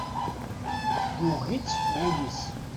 Yugi-tt wul-is.